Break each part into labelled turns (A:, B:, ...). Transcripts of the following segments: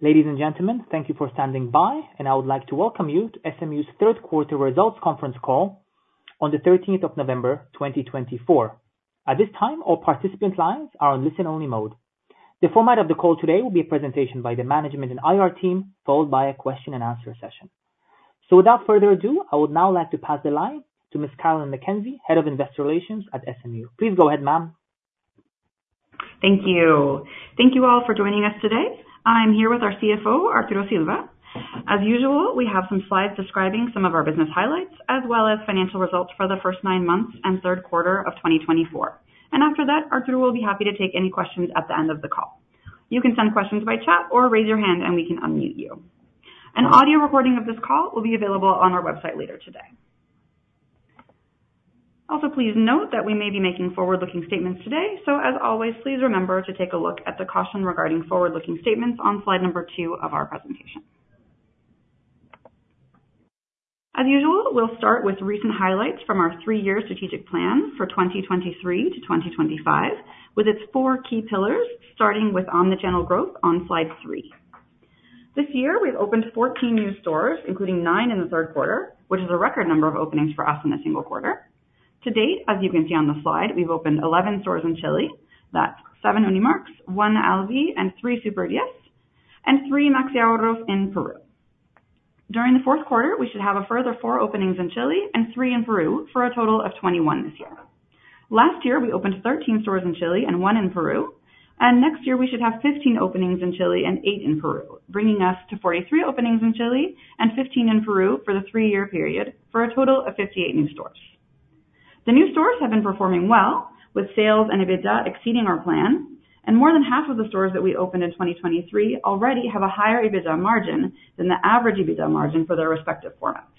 A: Ladies and gentlemen, thank you for standing by, and I would like to welcome you to SMU's third quarter results conference call on the 13th of November, 2024. At this time, all participant lines are on listen-only mode. The format of the call today will be a presentation by the management and IR team, followed by a question-and-answer session. Without further ado, I would now like to pass the line to Ms. Carolyn McKenzie, Head of Investor Relations at SMU. Please go ahead, ma'am.
B: Thank you. Thank you all for joining us today. I'm here with our CFO, Arturo Silva. As usual, we have some slides describing some of our business highlights as well as financial results for the first nine months and third quarter of 2024. After that, Arturo will be happy to take any questions at the end of the call. You can send questions by chat or raise your hand, and we can unmute you. An audio recording of this call will be available on our website later today. Also, please note that we may be making forward-looking statements today. As always, please remember to take a look at the caution regarding forward-looking statements on slide number two of our presentation. As usual, we'll start with recent highlights from our three-year strategic plan for 2023 to 2025, with its four key pillars, starting with omnichannel growth on slide three. This year, we've opened 14 new stores, including nine in the third quarter, which is a record number of openings for us in a single quarter. To date, as you can see on the slide, we've opened 11 stores in Chile. That's seven Unimarc, one Alvi, and three Super10, and three Maxiahorro in Peru. During the fourth quarter, we should have a further four openings in Chile and three in Peru for a total of 21 this year. Last year, we opened 13 stores in Chile and one in Peru, and next year we should have 15 openings in Chile and eight in Peru, bringing us to 43 openings in Chile and 15 in Peru for the three-year period for a total of 58 new stores. The new stores have been performing well, with sales and EBITDA exceeding our plan, and more than half of the stores that we opened in 2023 already have a higher EBITDA margin than the average EBITDA margin for their respective formats.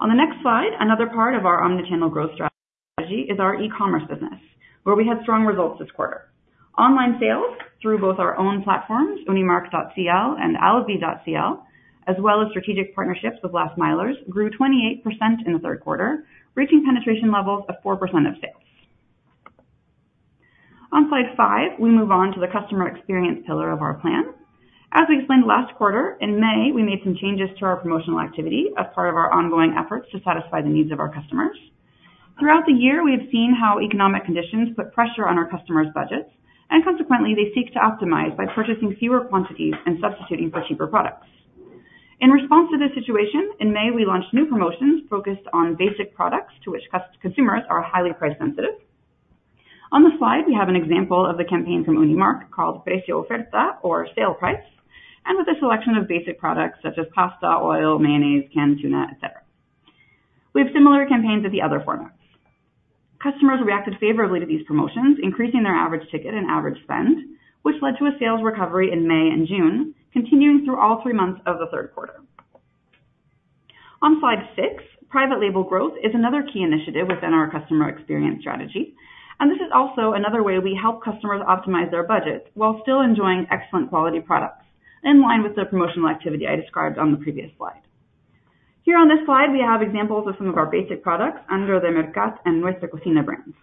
B: On the next slide, another part of our omnichannel growth strategy is our e-commerce business, where we had strong results this quarter. Online sales through both our own platforms, unimarc.cl and alvi.cl, as well as strategic partnerships with last milers, grew 28% in the third quarter, reaching penetration levels of 4% of sales. On slide five, we move on to the customer experience pillar of our plan. As we explained last quarter, in May, we made some changes to our promotional activity as part of our ongoing efforts to satisfy the needs of our customers. Throughout the year, we have seen how economic conditions put pressure on our customers' budgets, and consequently, they seek to optimize by purchasing fewer quantities and substituting for cheaper products. In response to this situation, in May, we launched new promotions focused on basic products to which consumers are highly price sensitive. On the slide, we have an example of the campaign from Unimarc called Precio Oferta or Sale Price, and with a selection of basic products such as pasta, oil, mayonnaise, canned tuna, et cetera. We have similar campaigns at the other formats. Customers reacted favorably to these promotions, increasing their average ticket and average spend, which led to a sales recovery in May and June, continuing through all three months of the third quarter. On slide six, private label growth is another key initiative within our customer experience strategy, and this is also another way we help customers optimize their budgets while still enjoying excellent quality products in line with the promotional activity I described on the previous slide. Here on this slide, we have examples of some of our basic products under the Merkat and Nuestra Cocina brands.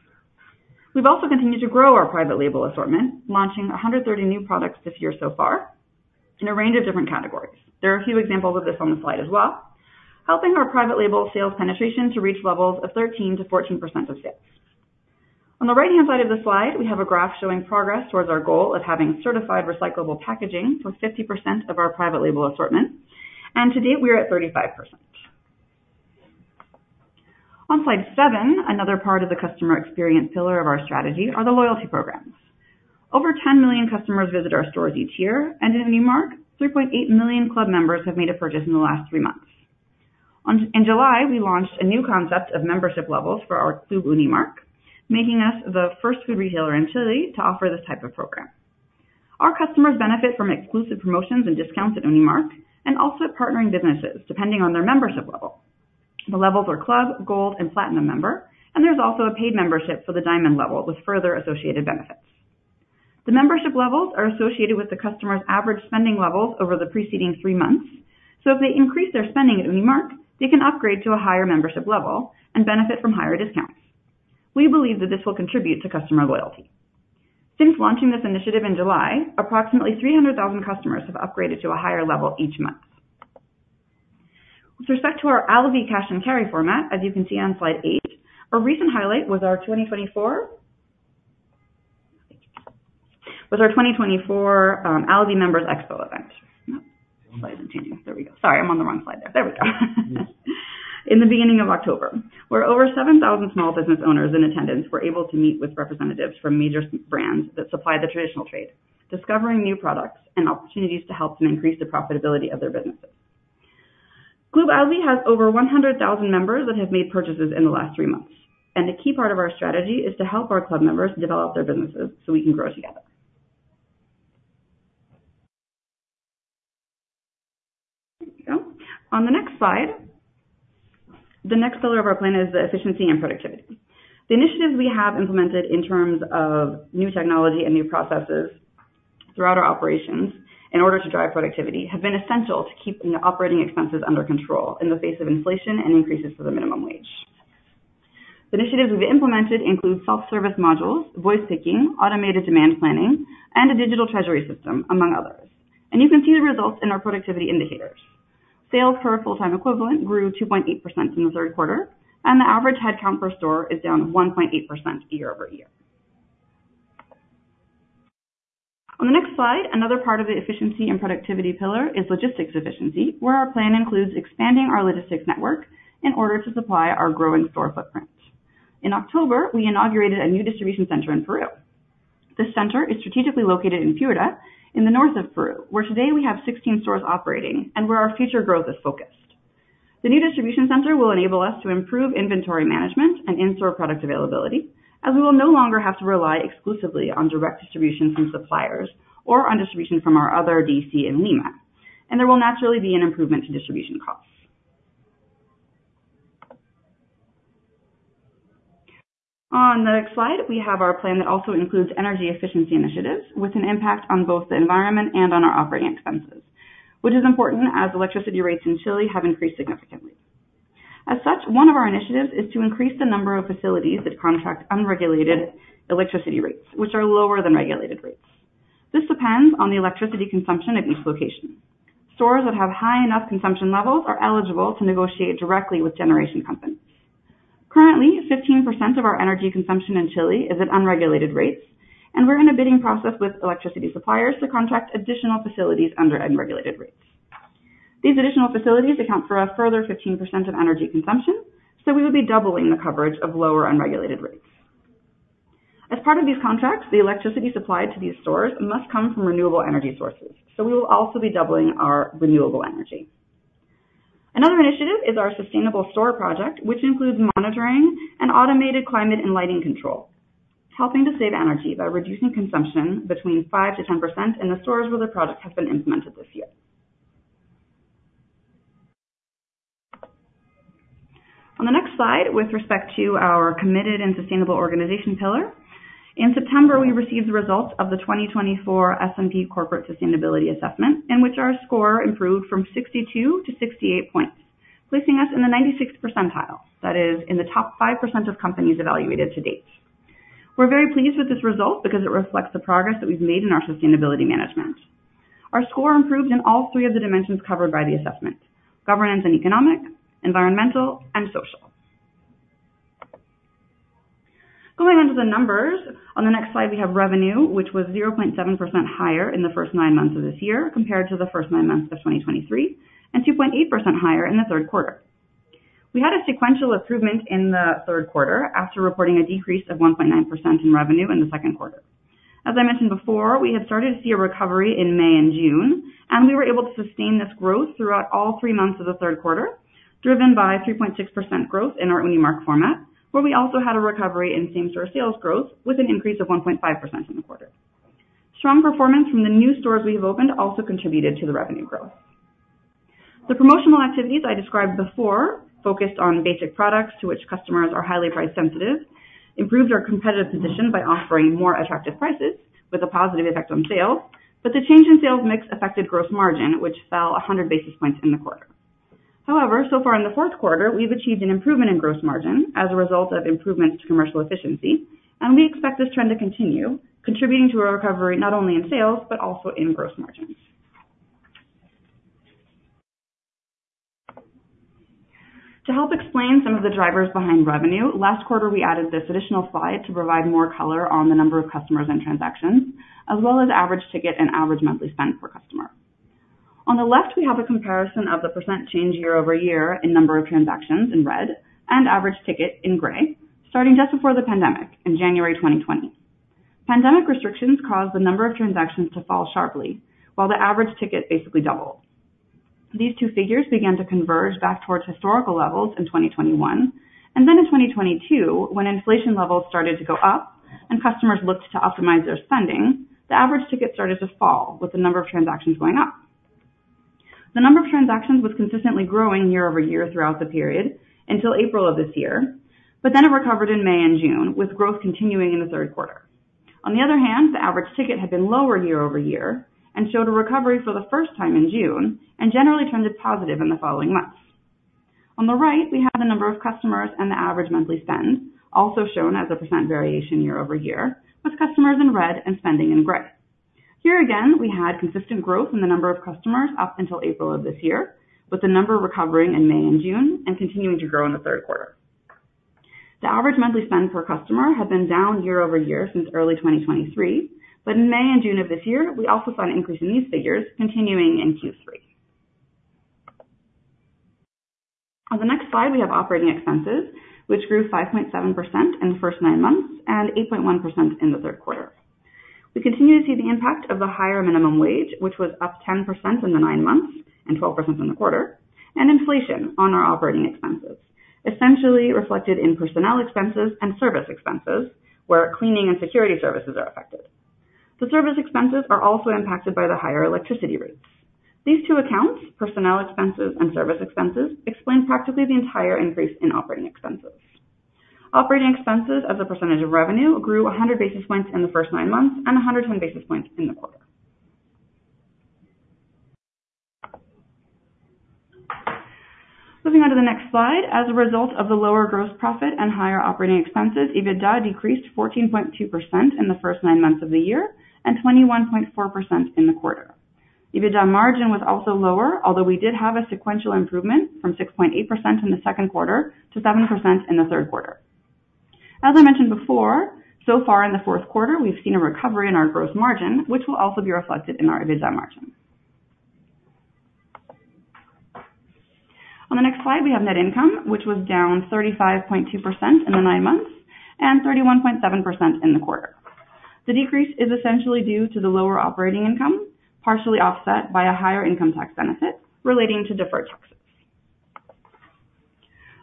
B: We've also continued to grow our private label assortment, launching 130 new products this year so far in a range of different categories. There are a few examples of this on the slide as well, helping our private label sales penetration to reach levels of 13%-14% of sales. On the right-hand side of the slide, we have a graph showing progress towards our goal of having certified recyclable packaging for 50% of our private label assortment. To date, we are at 35%. On slide seven, another part of the customer experience pillar of our strategy are the loyalty programs. Over 10 million customers visit our stores each year, and in Unimarc, 3.8 million club members have made a purchase in the last three months. In July, we launched a new concept of membership levels for our Club Unimarc, making us the first food retailer in Chile to offer this type of program. Our customers benefit from exclusive promotions and discounts at Unimarc and also at partnering businesses, depending on their membership level. The levels are Club, Gold, and Platinum Member, and there's also a paid membership for the Diamond level with further associated benefits. The membership levels are associated with the customer's average spending levels over the preceding three months. If they increase their spending at Unimarc, they can upgrade to a higher membership level and benefit from higher discounts. We believe that this will contribute to customer loyalty. Since launching this initiative in July, approximately 300,000 customers have upgraded to a higher level each month. With respect to our Alvi Cash & Carry format, as you can see on slide 8, a recent highlight was our 2024 Alvi Members Expo event. Sorry, I'm on the wrong slide there. There we go. In the beginning of October, where over 7,000 small business owners in attendance were able to meet with representatives from major brands that supply the traditional trade, discovering new products and opportunities to help them increase the profitability of their businesses. Club Alvi has over 100,000 members that have made purchases in the last three months, and a key part of our strategy is to help our club members develop their businesses so we can grow together. There we go. On the next slide, the next pillar of our plan is the efficiency and productivity. The initiatives we have implemented in terms of new technology and new processes throughout our operations in order to drive productivity have been essential to keeping the operating expenses under control in the face of inflation and increases to the minimum wage. The initiatives we've implemented include self-service modules, voice picking, automated demand planning, and a digital treasury system, among others. You can see the results in our productivity indicators. Sales per full-time equivalent grew 2.8% in the third quarter, and the average headcount per store is down 1.8% year-over-year. On the next slide, another part of the efficiency and productivity pillar is logistics efficiency, where our plan includes expanding our logistics network in order to supply our growing store footprint. In October, we inaugurated a new distribution center in Peru. This center is strategically located in Piura, in the north of Peru, where today we have 16 stores operating and where our future growth is focused. The new distribution center will enable us to improve inventory management and in-store product availability, as we will no longer have to rely exclusively on direct distribution from suppliers or on distribution from our other DC in Lima, and there will naturally be an improvement to distribution costs. On the next slide, we have our plan that also includes energy efficiency initiatives with an impact on both the environment and on our operating expenses, which is important as electricity rates in Chile have increased significantly. As such, one of our initiatives is to increase the number of facilities that contract unregulated electricity rates, which are lower than regulated rates. This depends on the electricity consumption at each location. Stores that have high enough consumption levels are eligible to negotiate directly with generation companies. Currently, 15% of our energy consumption in Chile is at unregulated rates, and we're in a bidding process with electricity suppliers to contract additional facilities under unregulated rates. These additional facilities account for a further 15% of energy consumption, so we will be doubling the coverage of lower unregulated rates. As part of these contracts, the electricity supplied to these stores must come from renewable energy sources, so we will also be doubling our renewable energy. Another initiative is our sustainable store project, which includes monitoring an automated climate and lighting control, helping to save energy by reducing consumption 5%-10% in the stores where the project has been implemented this year. On the next slide, with respect to our committed and sustainable organization pillar, in September, we received the results of the 2024 S&P Corporate Sustainability Assessment, in which our score improved from 62 to 68 points, placing us in the 96th percentile, that is in the top 5% of companies evaluated to date. We're very pleased with this result because it reflects the progress that we've made in our sustainability management. Our score improved in all three of the dimensions covered by the assessment: governance and economic, environmental, and social. Going on to the numbers. On the next slide, we have revenue, which was 0.7% higher in the first nine months of this year compared to the first nine months of 2023, and 2.8% higher in the third quarter. We had a sequential improvement in the third quarter after reporting a decrease of 1.9% in revenue in the second quarter. As I mentioned before, we had started to see a recovery in May and June, and we were able to sustain this growth throughout all three months of the third quarter, driven by 3.6% growth in our Unimarc format, where we also had a recovery in same-store sales growth with an increase of 1.5% in the quarter. Strong performance from the new stores we have opened also contributed to the revenue growth. The promotional activities I described before focused on basic products to which customers are highly price sensitive, improved our competitive position by offering more attractive prices with a positive effect on sales. The change in sales mix affected gross margin, which fell 100 basis points in the quarter. However, so far in the fourth quarter, we've achieved an improvement in gross margin as a result of improvements to commercial efficiency, and we expect this trend to continue contributing to a recovery not only in sales, but also in gross margins. To help explain some of the drivers behind revenue, last quarter we added this additional slide to provide more color on the number of customers and transactions, as well as average ticket and average monthly spend per customer. On the left, we have a comparison of the percent change year-over-year in number of transactions in red and average ticket in gray, starting just before the pandemic in January 2020. Pandemic restrictions caused the number of transactions to fall sharply, while the average ticket basically doubled. These two figures began to converge back towards historical levels in 2021, and then in 2022, when inflation levels started to go up and customers looked to optimize their spending, the average ticket started to fall, with the number of transactions going up. The number of transactions was consistently growing year-over-year throughout the period until April of this year, but then it recovered in May and June, with growth continuing in the third quarter. On the other hand, the average ticket had been lower year-over-year and showed a recovery for the first time in June, and generally trended positive in the following months. On the right, we have the number of customers and the average monthly spend, also shown as a percent variation year-over-year, with customers in red and spending in gray. Here again, we had consistent growth in the number of customers up until April of this year, with the number recovering in May and June and continuing to grow in the third quarter. The average monthly spend per customer had been down year-over-year since early 2023, but in May and June of this year, we also saw an increase in these figures continuing in Q3. On the next slide, we have operating expenses, which grew 5.7% in the first nine months and 8.1% in the third quarter. We continue to see the impact of the higher minimum wage, which was up 10% in the nine months and 12% in the quarter, and inflation on our operating expenses, essentially reflected in personnel expenses and service expenses where cleaning and security services are affected. The service expenses are also impacted by the higher electricity rates. These two accounts, personnel expenses and service expenses, explain practically the entire increase in operating expenses. Operating expenses as a percentage of revenue grew 100 basis points in the first nine months and 110 basis points in the quarter. Moving on to the next slide. As a result of the lower gross profit and higher operating expenses, EBITDA decreased 14.2% in the first nine months of the year and 21.4% in the quarter. EBITDA margin was also lower, although we did have a sequential improvement from 6.8% in the second quarter to 7% in the third quarter. As I mentioned before, so far in the fourth quarter, we've seen a recovery in our gross margin, which will also be reflected in our EBITDA margin. On the next slide, we have net income, which was down 35.2% in the nine months and 31.7% in the quarter. The decrease is essentially due to the lower operating income, partially offset by a higher income tax benefit relating to deferred taxes.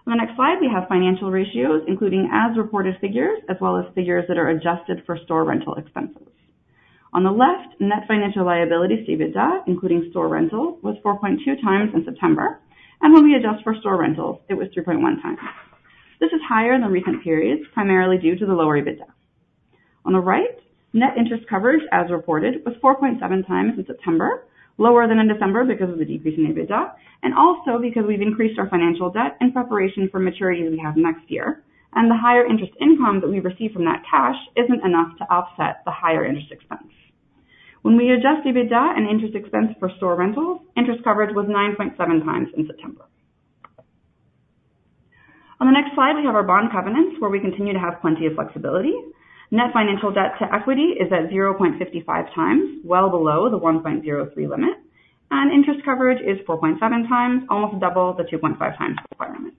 B: On the next slide, we have financial ratios, including as-reported figures as well as figures that are adjusted for store rental expenses. On the left, net financial liability to EBITDA, including store rental, was 4.2 times in September, and when we adjust for store rentals, it was 2.1 times. This is higher than recent periods, primarily due to the lower EBITDA. On the right, net interest coverage, as reported, was 4.7 times in September, lower than in December because of the decrease in EBITDA, and also because we've increased our financial debt in preparation for maturities we have next year. The higher interest income that we receive from that cash isn't enough to offset the higher interest expense. When we adjust EBITDA and interest expense for store rentals, interest coverage was 9.7 times in September. On the next slide, we have our bond covenants, where we continue to have plenty of flexibility. Net financial debt to equity is at 0.55 times, well below the 1.03 limit, and interest coverage is 4.7 times, almost double the 2.5 times requirement.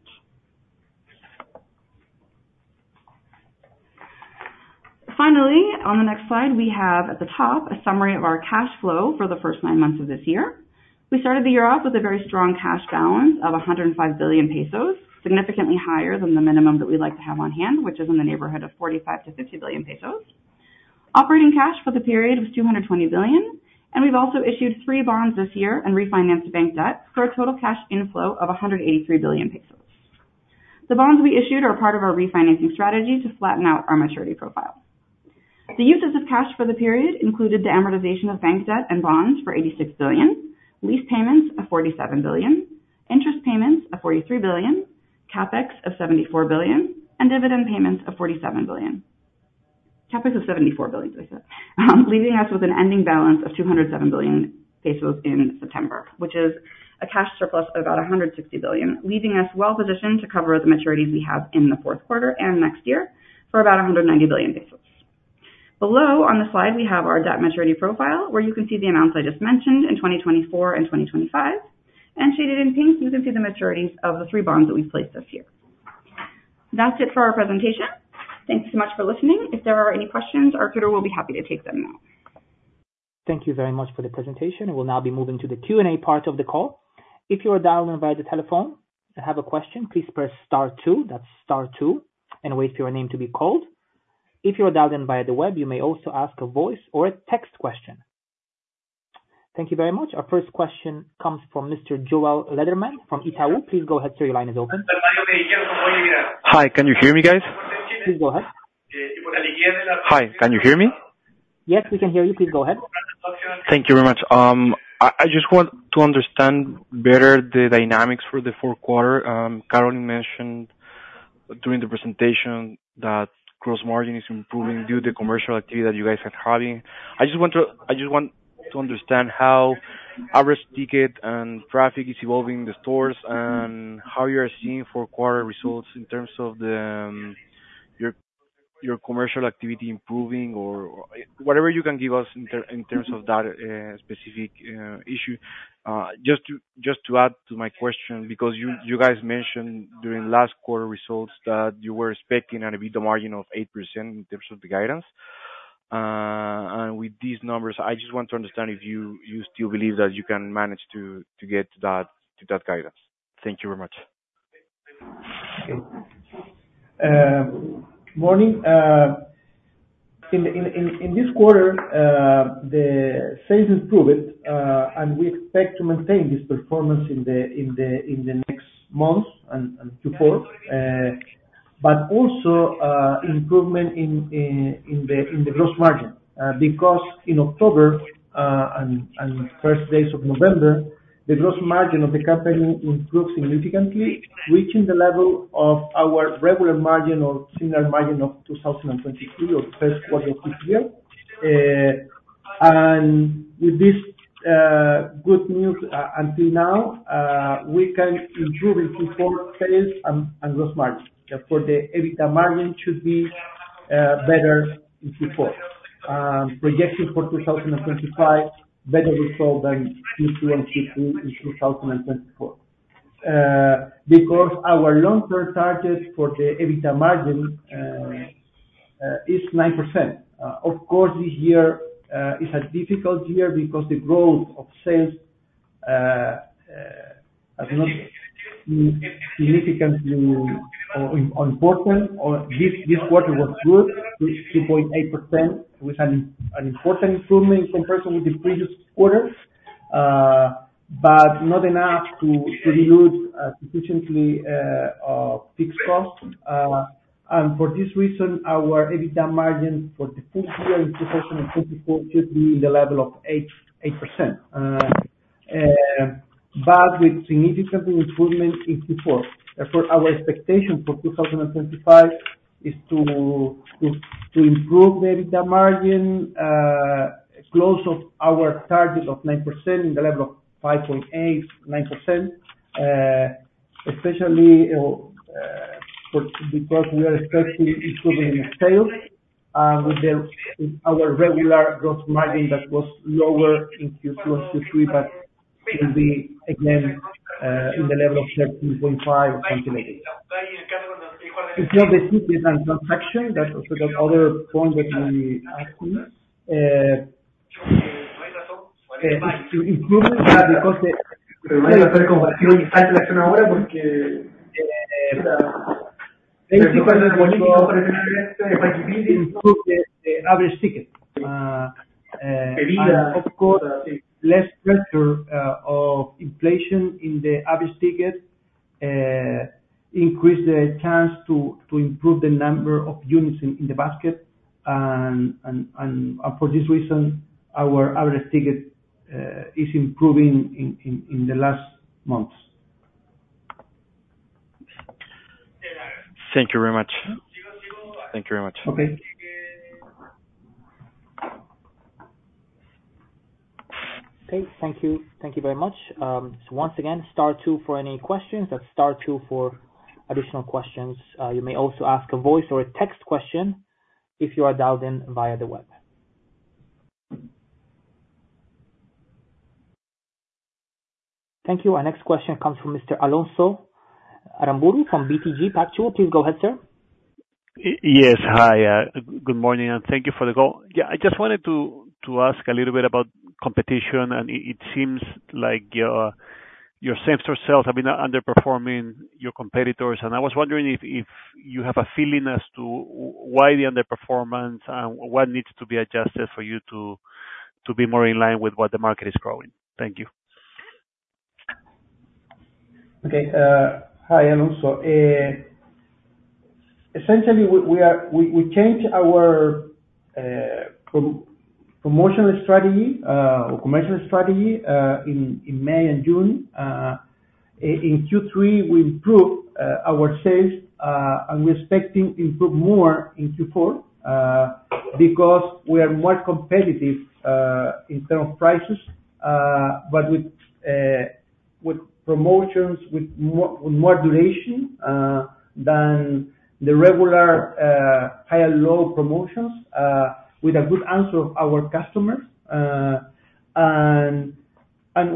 B: Finally, on the next slide, we have at the top a summary of our cash flow for the first nine months of this year. We started the year off with a very strong cash balance of 105 billion pesos, significantly higher than the minimum that we like to have on hand, which is in the neighborhood of 45 billion-50 billion pesos. Operating cash for the period was 220 billion, and we've also issued three bonds this year and refinanced bank debt for a total cash inflow of 183 billion pesos. The bonds we issued are part of our refinancing strategy to flatten out our maturity profile. The uses of cash for the period included the amortization of bank debt and bonds for 86 billion, lease payments of 47 billion, interest payments of 43 billion, CapEx of 74 billion, and dividend payments of 47 billion. CapEx of 74 billion, I said. Leaving us with an ending balance of 207 billion pesos in September, which is a cash surplus of about 160 billion, leaving us well-positioned to cover the maturities we have in the fourth quarter and next year for about 190 billion pesos. Below on the slide, we have our debt maturity profile, where you can see the amounts I just mentioned in 2024 and 2025. Shaded in pink, you can see the maturities of the three bonds that we placed this year. That's it for our presentation. Thanks so much for listening. If there are any questions, our operator will be happy to take them now.
A: Thank you very much for the presentation. We'll now be moving to the Q&A part of the call. If you are dialing by the telephone and have a question, please press star two, that's star two, and wait for your name to be called. If you are dialed in by the web, you may also ask a voice or a text question. Thank you very much. Our first question comes from Mr. Joel Lederman from Itaú. Please go ahead, sir. Your line is open.
C: Hi, can you hear me?
A: Yes, we can hear you. Please go ahead.
C: Thank you very much. I just want to understand better the dynamics for the fourth quarter. Carolyn mentioned during the presentation that gross margin is improving due to commercial activity that you guys are having. I just want to understand how average ticket and traffic is evolving in the stores and how you are seeing fourth quarter results in terms of your commercial activity improving or whatever you can give us in terms of that specific issue. Just to add to my question, because you guys mentioned during last quarter results that you were expecting an EBITDA margin of 8% in terms of the guidance. With these numbers, I just want to understand if you still believe that you can manage to get to that guidance. Thank you very much.
D: Okay. Morning. In this quarter, the sales improved, and we expect to maintain this performance in the next months and thereafter. Also, improvement in the gross margin. In October and first days of November, the gross margin of the company improved significantly, reaching the level of our regular margin or similar margin of 2022 or first quarter of this year. With this good news until now, we can improve in Q4 sales and gross margin. Therefore, the EBITDA margin should be better in Q4. The projection for 2025 is better result than Q2 and Q3 in 2024. Our long-term target for the EBITDA margin is 9%. Of course, this year is a difficult year because the growth of sales has not been significantly important. This quarter was good, with 2.8%. It was an important improvement compared with the previous quarters, but not enough to reduce sufficiently fixed costs. For this reason, our EBITDA margin for the full year in 2024 should be in the level of 8.8%, but with significant improvement in Q4. As for our expectation for 2025 is to improve the EBITDA margin close to our target of 9%, the level of 5.8%-9%. Especially, because we are expecting improving sales with our regular gross margin that was lower in Q2, Q3, but will be again in the level of 13.5%-18%. It's the ticket and transaction, that's also the other point that we are seeing to improve that because to improve the average ticket. Of course, less pressure of inflation in the average ticket increase the chance to improve the number of units in the basket. For this reason, our average ticket is improving in the last months.
C: Thank you very much.
D: Okay.
A: Okay. Thank you. Thank you very much. Once again, star two for any questions. That's star two for additional questions. You may also ask a voice or a text question if you are dialed in via the web. Thank you. Our next question comes from Mr. Alonso Aramburú from BTG Pactual. Please go ahead, sir.
E: Yes. Hi, good morning, and thank you for the call. Yeah. I just wanted to ask a little bit about competition, and it seems like your same-store sales have been underperforming your competitors. I was wondering if you have a feeling as to why the underperformance and what needs to be adjusted for you to be more in line with what the market is growing. Thank you.
D: Okay. Hi, Alonso. Essentially, we changed our promotional strategy or commercial strategy in May and June. In Q3, we improved our sales, and we're expecting improve more in Q4 because we are more competitive in terms of prices but with promotions with more duration than the regular hi-lo promotions with a good response from our customers.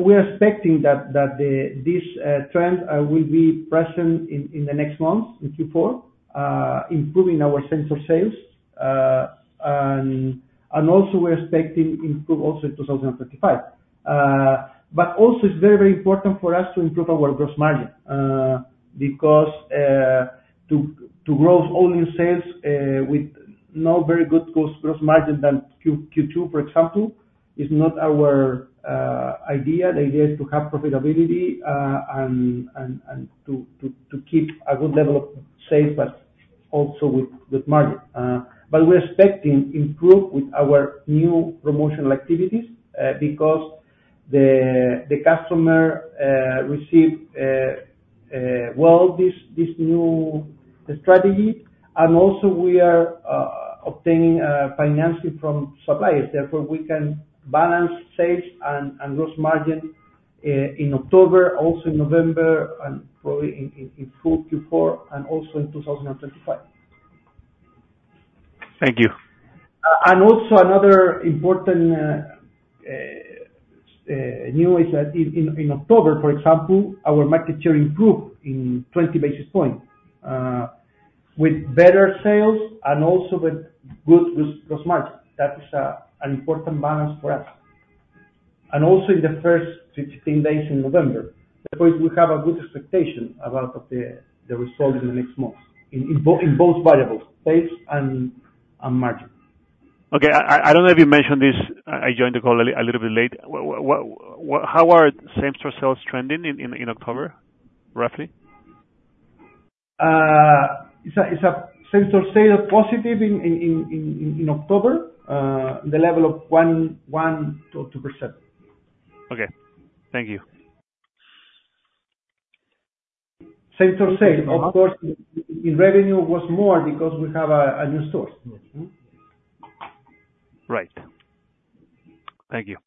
D: We're expecting that this trend will be present in the next months, in Q4, improving our same-store sales. Also, we're expecting improve also in 2025. Also it's very, very important for us to improve our gross margin because to grow only sales with not very good gross margin than Q2, for example, is not our idea. The idea is to have profitability and to keep a good level of sales but also with good margin. We're expecting to improve with our new promotional activities because the customer received well this new strategy. Also we are obtaining financing from suppliers, therefore we can balance sales and gross margin in October, also in November, and probably improve in Q4 and also in 2025.
E: Thank you.
D: Another important news is that in October, for example, our market share improved in 20 basis points, with better sales and also with good gross margin. That is an important balance for us. In the first 16 days in November. Therefore, we have a good expectation about the result in the next months in both variables, sales and margin.
E: Okay. I don't know if you mentioned this. I joined the call a little bit late. How are same-store sales trending in October, roughly?
D: It's a same-store sales positive in October. The level of 1%-2%.
E: Okay. Thank you.
D: Same-store sales. Of course, the revenue was more because we have a new store.
E: Right. Thank you.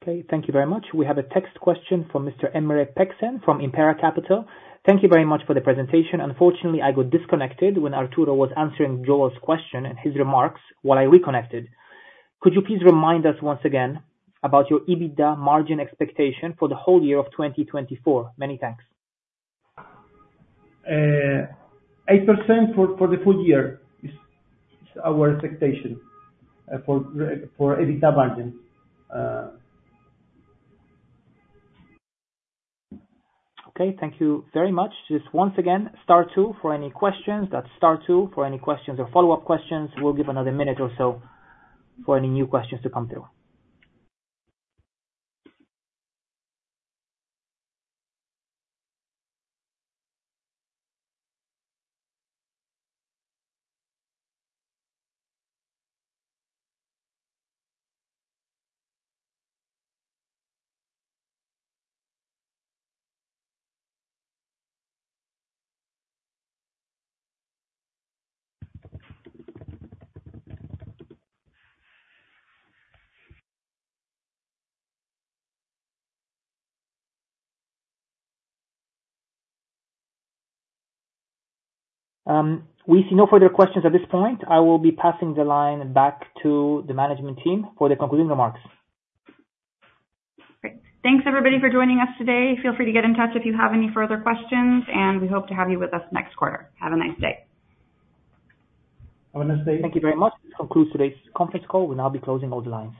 A: Okay, thank you very much. We have a text question from Mr. Emre Peksen from Impera Capital. Thank you very much for the presentation. Unfortunately, I got disconnected when Arturo was answering Joel's question and his remarks while I reconnected. Could you please remind us once again about your EBITDA margin expectation for the whole year of 2024? Many thanks. 8% for the full year is our expectation for EBITDA margin. Okay, thank you very much. Just once again, star two for any questions. That's star two for any questions or follow-up questions. We'll give another minute or so for any new questions to come through. We see no further questions at this point. I will be passing the line back to the management team for the concluding remarks.
B: Great. Thanks everybody for joining us today. Feel free to get in touch if you have any further questions, and we hope to have you with us next quarter. Have a nice day.
D: I wanna say.
A: Thank you very much. This concludes today's conference call. We'll now be closing all the lines.